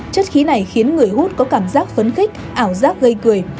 chất khí này khiến người hút có cảm giác phấn khích ảo giác gây cười